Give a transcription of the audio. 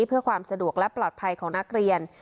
เพื่อความสะดวกและปลอดภัยของนักเรียน